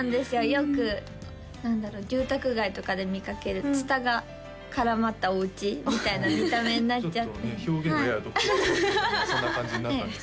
よく何だろう住宅街とかで見かけるツタが絡まったお家みたいな見た目になっちゃってちょっとね表現がやや独特そんな感じになったんですね